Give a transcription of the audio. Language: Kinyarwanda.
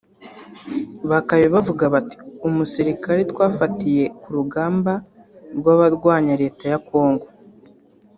Bakabaye bavuga bati “umusirikare twafatiye ku rugamba rw’abarwanya Leta ya Congo